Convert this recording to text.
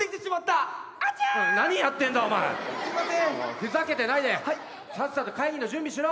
ふざけてないでさっさと会議の準備しろ。